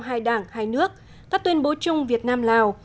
hai đảng hai nước các tuyên bố chung việt nam lào